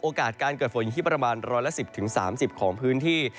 การเกิดฝนอยู่ที่ประมาณ๑๑๐๓๐ของพื้นที่